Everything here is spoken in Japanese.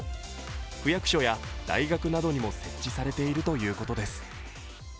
区役所や大学などにも設置されているということです。